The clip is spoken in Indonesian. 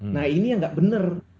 nah ini yang nggak benar